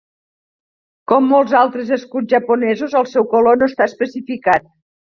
Com molts altres escuts japonesos, el seu color no està especificat.